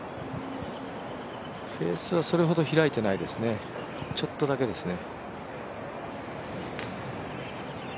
フェースはそれほど開いていないですね、ちょっとだけですね。